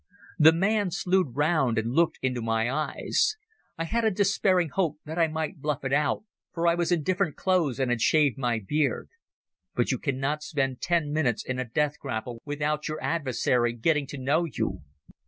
The man slewed round and looked into my eyes. I had a despairing hope that I might bluff it out, for I was in different clothes and had shaved my beard. But you cannot spend ten minutes in a death grapple without your adversary getting to know you.